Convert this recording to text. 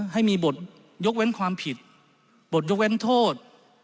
ให้มีบทยกเว้นความผิดบทยกเว้นโทษ